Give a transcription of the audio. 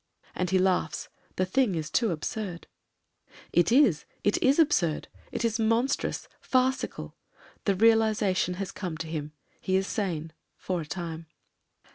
And he laughs; the thing is too absurd. It is; it is absurd; it is monstrous, farcical. The realisation has come to him ; he is sane — for a time.